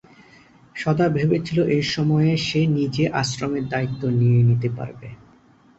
সদা ভেবেছিল এ সময়ে সে নিজে আশ্রমের দায়িত্ব নিয়ে নিতে পারবে।